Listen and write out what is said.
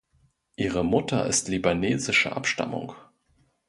Ihre Mutter ist libanesischer Abstammung.